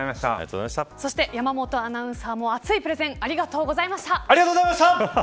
そして山本アナウンサーも熱いプレゼンありがとうございました。